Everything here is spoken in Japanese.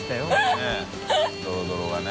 ねぇドロドロがね。